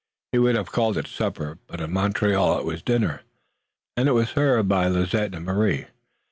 He would have called it supper, but in Montreal it was dinner, and it was served by Lizette and Marie.